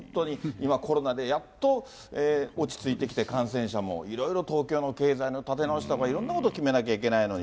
今、コロナでやっと落ち着いてきて、感染者も、いろいろ東京の経済の立て直しとか、いろんなこと決めなきゃいけないのに。